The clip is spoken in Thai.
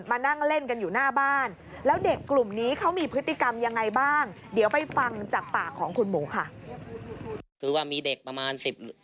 มานั่งเล่นกันอยู่หน้าบ้าน